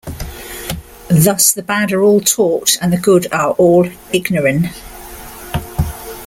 Thus the bad are all taught and the good are all ignoran.